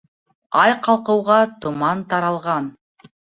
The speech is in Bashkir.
Ай ҡалҡыуға томан таралған.